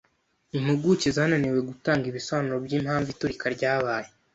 Impuguke zananiwe gutanga ibisobanuro byimpamvu iturika ryabaye